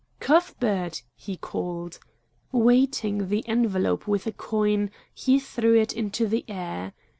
"Cuthbert!" he called. Weighting the envelope with a coin, he threw it into the air.